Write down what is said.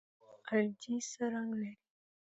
الجی څه رنګ لري؟